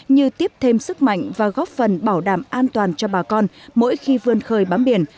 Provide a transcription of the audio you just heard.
như tiếp thêm sức mạnh và góp phần bảo đảm an toàn cho bà con mỗi khi vươn khơi bám biển